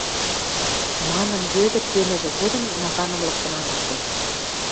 — манын Вӧдӹр кемӹжӹ годым, наганым лыктын анжыктен.